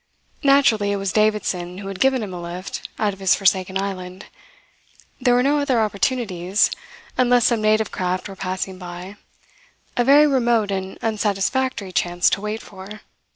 Naturally, it was Davidson who had given him a lift out of his forsaken island. There were no other opportunities, unless some native craft were passing by a very remote and unsatisfactory chance to wait for.